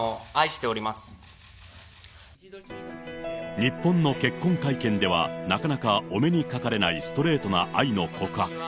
日本の結婚会見ではなかなかお目にかかれないストレートな愛の告白。